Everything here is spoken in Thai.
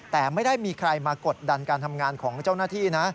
แต่ไม่ได้มีใครมากดดันการทำงานของเจ้าหน้าที่นะ